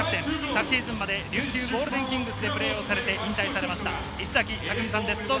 昨シーズンまで琉球ゴールデンキングスでプレーして引退されました石崎巧さんです。